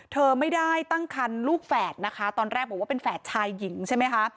เธอไม่ได้ตั้งคันลูกแฝดนะคะตอนแรกบอกว่าเป็นแฝดชายหญิงใช่ไหมคะ